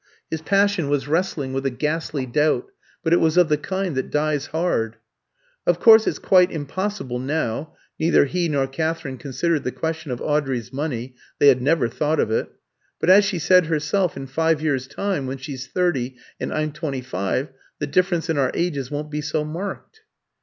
His passion was wrestling with a ghastly doubt, but it was of the kind that dies hard. "Of course it's quite impossible now" neither he nor Katherine considered the question of Audrey's money, they had never thought of it "but, as she said herself, in five years' time, when she's thirty and I'm twenty five, the difference in our ages won't be so marked."